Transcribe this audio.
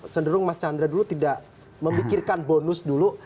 cenderung mas chandra dulu tidak memikirkan bonus dulu